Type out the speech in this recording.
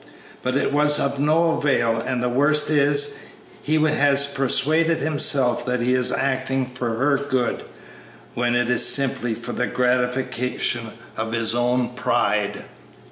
But it was of no avail, and the worst is, he has persuaded himself that he is acting for her good, when it is simply for the gratification of his own pride.